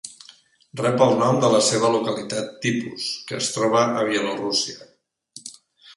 Rep el nom de la seva localitat tipus, que es troba a Bielorússia.